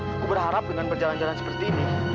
aku berharap dengan berjalan jalan seperti ini